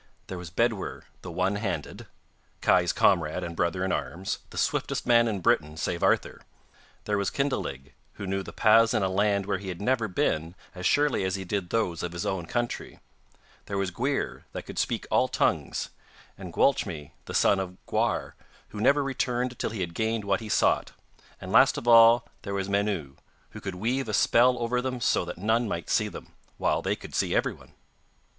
There was Bedwyr the one handed, Kai's comrade and brother in arms, the swiftest man in Britain save Arthur; there was Kynddelig, who knew the paths in a land where he had never been as surely as he did those of his own country; there was Gwrhyr, that could speak all tongues; and Gwalchmai the son of Gwyar, who never returned till he had gained what he sought; and last of all there was Menw, who could weave a spell over them so that none might see them, while they could see everyone.